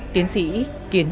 kiến sĩ kiến